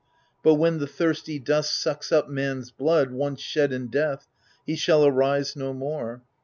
But when the thirsty dust sucks up man's blood Once shed in death, he shall arise no more.